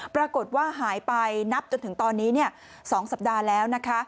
ปรากฏว่าหายไปนับจนถึงตอนนี้๒สัปดาห์แล้วนะคะ